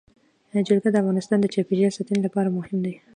جلګه د افغانستان د چاپیریال ساتنې لپاره مهم دي.